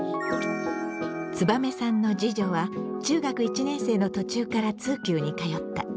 つばめさんの次女は中学１年生の途中から通級に通った。